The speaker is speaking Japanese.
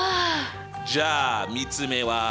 じゃあ３つ目は先生！